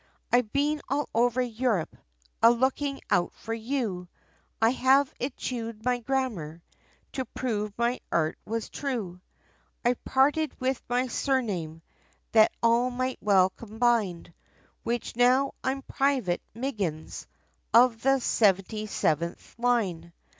"I've been all over Europe, A lookin' out for you, I have eschewed my grammar, To prove my 'eart, was true; I've parted with my surname, That all might well combine, Which now, I'm Private Miggins, of the Seventy seventh Line.